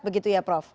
begitu ya prof